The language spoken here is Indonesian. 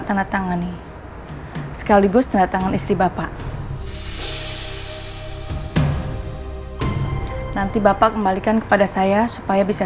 tanda tangani sekaligus tanda tangan istri bapak nanti bapak kembalikan kepada saya supaya bisa